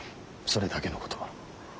それだけのこと。